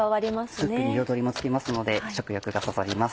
スープに彩りもつきますので食欲がそそります。